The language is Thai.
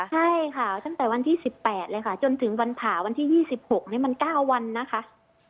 ใช่ค่ะตั้งแต่วันที่๑๘เลยค่ะจนถึงวันผ่าวันที่๒๖นี้มัน๙วันนะคะ